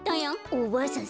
おばあさん